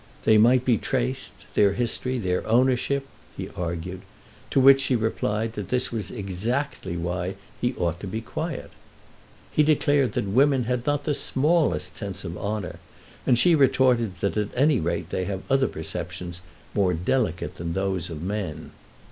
"They might be traced—their history, their ownership," he argued; to which she replied that this was exactly why he ought to be quiet. He declared that women had not the smallest sense of honour, and she retorted that at any rate they have other perceptions more delicate than those of men.